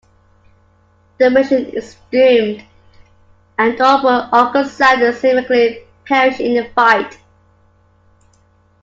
The mission is doomed and all but Uncle Sam seemingly perish in the fight.